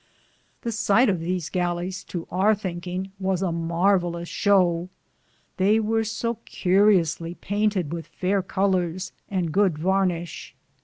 The sighte of these gallis, to our thinkinge, was a marvalus show, they weare so curiusly paynted with fayre coUors and good varnishe.